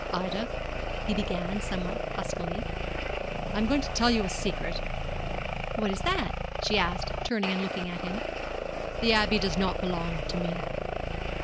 'Ida,' he began, somewhat huskily, 'I am going to tell you a secret.' 'What is that?' she asked, turning and looking at him. 'The Abbey does not belong to me!'